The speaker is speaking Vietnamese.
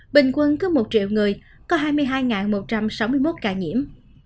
bình quân cứ một triệu người có hai mươi hai một trăm sáu mươi một ca nhiễm